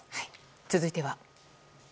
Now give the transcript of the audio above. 続いては。